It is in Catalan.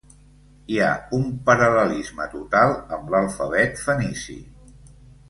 Hi ha un paral·lelisme total amb l'alfabet fenici.